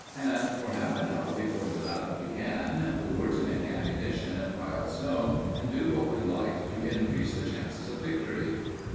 And for half an hour before the battle began, we were to make ammunition and pile snow and do what we liked to increase the chances of victory.